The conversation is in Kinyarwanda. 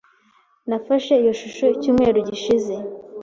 Nafashe iyo shusho icyumweru gishize .